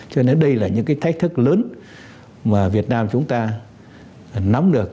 cho nên đây là những cái thách thức lớn mà việt nam chúng ta nắm được